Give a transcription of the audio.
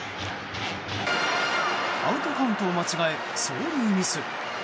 アウトカウントを間違え走塁ミス。